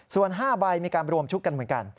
ส่วน๕ใบมีการรวมชุดกันเหมือนกัน